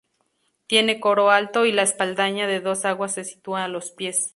Tiene coro alto, y la espadaña de dos aguas se sitúa a los pies.